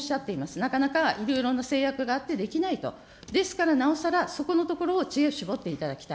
なかなかいろいろな制約があって、できないと、ですからなおさら、そこのところを知恵を絞っていただきたい。